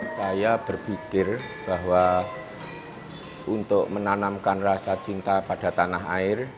saya berpikir bahwa untuk menanamkan rasa cinta pada tanah air